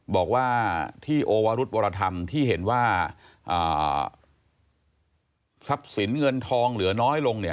บอกว่าที่โอวรุธวรธรรมที่เห็นว่าทรัพย์สินเงินทองเหลือน้อยลงเนี่ย